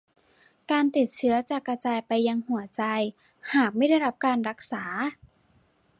การติดเชื้อจะกระจายไปยังหัวใจหากไม่ได้รับการรักษา